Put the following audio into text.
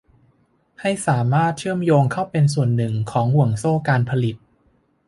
ให้สามารถเชื่อมโยงเข้าเป็นส่วนหนึ่งของห่วงโซ่การผลิต